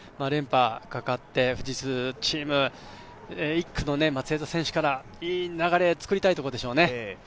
連覇がかかって、富士通のチーム、１区の松枝選手からいい流れを作りたいところでしょうね。